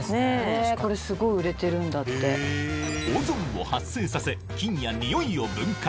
オゾンを発生させ菌やにおいを分解